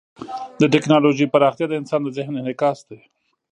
د ټیکنالوژۍ پراختیا د انسان د ذهن انعکاس دی.